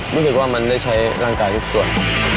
รู้สึกว่ามันได้ใช้ร่างกายทุกส่วน